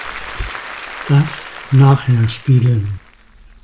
Das nachher spielen.